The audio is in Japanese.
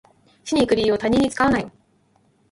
死にに行く理由に他人を使うなよ